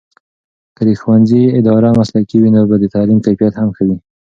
که د ښوونځي اداره مسلکي وي، نو به د تعلیم کیفیت هم ښه وي.